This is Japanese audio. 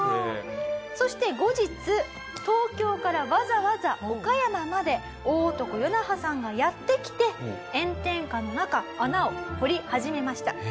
そして後日東京からわざわざ岡山まで大男ヨナハさんがやって来て炎天下の中穴を掘り始めました。